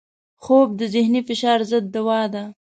خوب د ذهني فشار ضد دوا ده